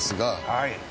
はい。